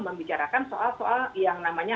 membicarakan soal soal yang namanya